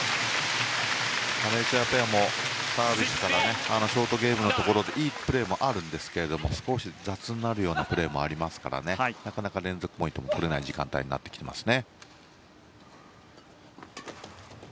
マレーシアペアもサービスからショートゲームのところでいいプレーもあるんですけども少し雑になるようなプレーがありますからなかなか連続ポイント取れない時間帯になっています。